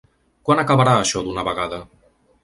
Quan acabarà això d’una vegada?.